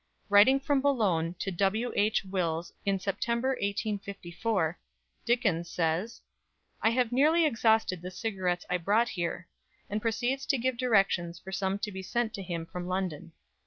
Writing from Boulogne to W.H. Wills in September 1854, Dickens says, "I have nearly exhausted the cigarettes I brought here," and proceeds to give directions for some to be sent to him from London.